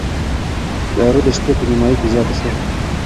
تیاره د شپې په نیمايي کې زیاته شوه.